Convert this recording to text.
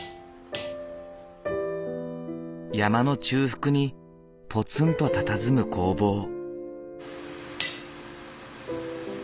山の中腹にぽつんとたたずむ工房。